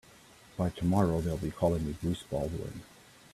By tomorrow they'll be calling me Bruce Baldwin.